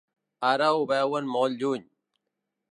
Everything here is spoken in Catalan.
Ara ho veuen molt lluny.